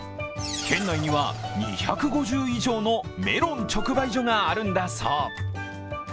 県内には２５０以上のメロン直売所があるんだそう。